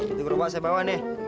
itu berubah saya bawa nih